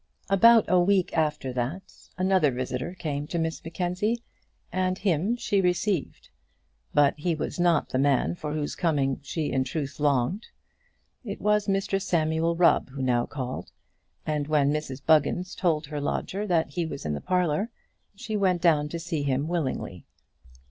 About a week after that, another visitor came to Miss Mackenzie, and him she received. But he was not the man for whose coming she in truth longed. It was Mr Samuel Rubb who now called, and when Mrs Buggins told her lodger that he was in the parlour, she went down to see him willingly.